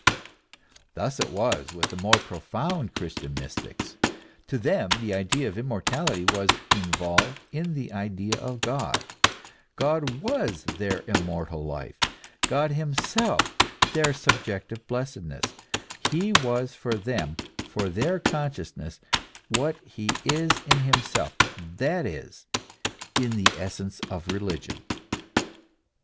Thus it was with the more profound Christian mystics; to them the idea of immortality was involved in the idea of God ; God was their immortal life, God himself their subjective blessedness : he was for them, for their consciousness, what he is in himself, that is, in the essence of religion.